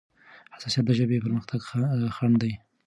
حساسيت د ژبې پرمختګ خنډ دی.